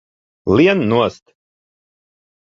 Lien nost!